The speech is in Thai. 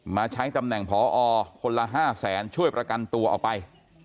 มาใช้ตำแหน่งพอคนละ๕แสนช่วยประกันตัวออกไป